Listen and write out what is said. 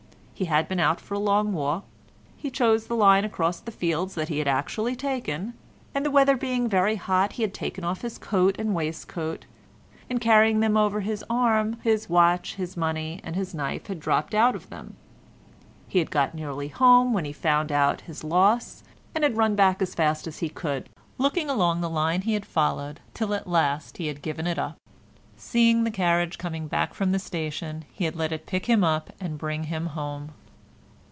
He had been out for a long walk—he chose the line across the fields that he had actually taken—and the weather being very hot, he had taken off his coat and waistcoat; in carrying them over his arm his watch, his money, and his knife had dropped out of them. He had got nearly home when he found out his loss, and had run back as fast as he could, looking along the line he had followed, till at last he had given it up; seeing the carriage coming back from the station, he had let it pick him up and bring him home.